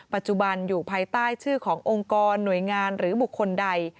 ปัจจุบันอยู่ภายใต้ชื่อขององค์กรหน่วยงานหรือบุคคลใด